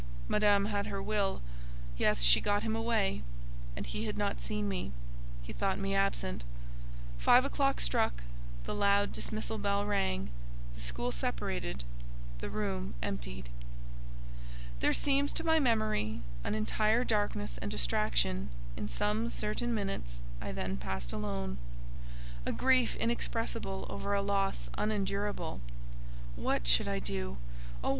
Madame had her will; yes, she got him away, and he had not seen me; he thought me absent. Five o'clock struck, the loud dismissal bell rang, the school separated, the room emptied. There seems, to my memory, an entire darkness and distraction in some certain minutes I then passed alone—a grief inexpressible over a loss unendurable. What should I do; oh!